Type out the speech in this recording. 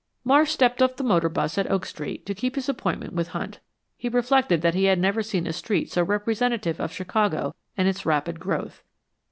Marsh stepped off the motor bus at Oak Street to keep his appointment with Hunt. He reflected that he had never seen a street so representative of Chicago and its rapid growth.